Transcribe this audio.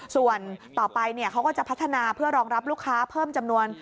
ส่วนต่อไปเขาก็จะพัฒนาเพื่อรองรับลูกค้าเพิ่มจำนวน